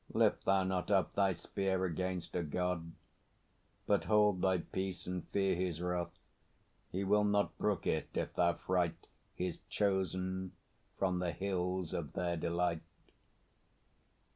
Lift thou not up thy spear Against a God, but hold thy peace, and fear His wrath! He will not brook it, if thou fright His Chosen from the hills of their delight.